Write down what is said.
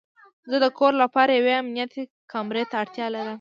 زه د کور لپاره یوې امنیتي کامرې ته اړتیا لرم